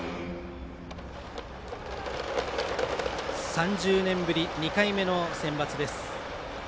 ３０年ぶり２回目のセンバツです。